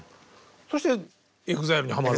そしてＥＸＩＬＥにハマる？